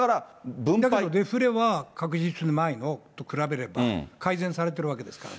だけどデフレは、確実に前のと比べれば、改善されてるわけですからね。